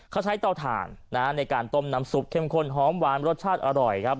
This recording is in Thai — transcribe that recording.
เขาใช้เตาถ่านในการต้มน้ำซุปเข้มข้นหอมหวานรสชาติอร่อยครับ